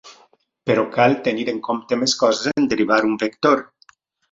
Però cal tenir en compte més coses en derivar un vector.